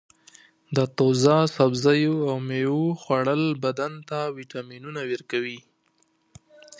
د تازه سبزیو او میوو خوړل بدن ته وټامینونه ورکوي.